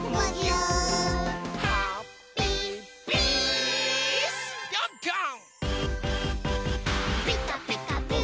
うん！